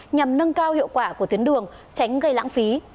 nhằm nâng cao hiệu quả của tuyến đường tránh gây lãng phí